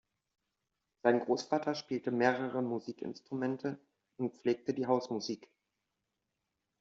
Sein Großvater spielte mehrere Musikinstrumente und pflegte die Hausmusik.